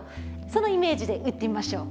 そのイメージで打ってみましょう。